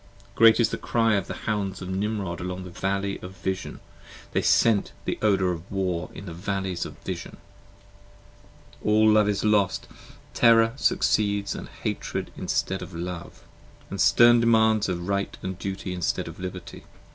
Great is the cry of the Hounds of Nimrod along the Valley Of Vision, they scent the odor of War in the Valley of Vision. 10 All Love is lost! terror succeeds & Hatred instead of Love, And stern demands of Right & Duty instead of Liberty.